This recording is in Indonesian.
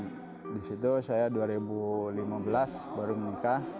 habis di situ lah saya merasa baru menikah